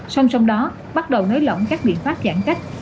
song song đó bắt đầu nới lỏng các biện pháp giãn cách